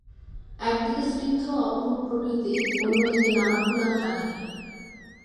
একদিকে স্নিগ্ধ অপরূপ প্রকৃতি অন্য দিকে নানা পুরাণ কাহিনী।